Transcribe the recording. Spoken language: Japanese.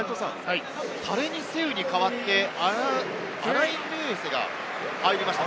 タレニ・セウに代わって、アロエミールが入りました。